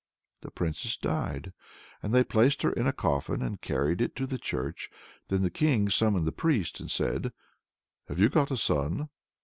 The Princess died; they placed her in a coffin, and carried it to church. Then the king summoned the priest, and said "Have you got a son?"